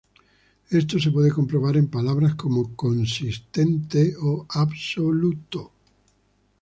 Esto se puede comprobar en palabras como con-sis-ten-te o ab-so-lu-to.